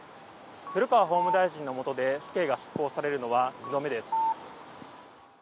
古川法務大臣のもとで死刑が執行されるのは２度目です。